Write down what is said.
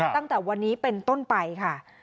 ตั้งแต่วันนี้เป็นต้นไปค่ะ